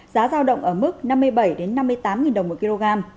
giá dao động ở mức năm mươi bảy đến năm mươi tám đồng một kg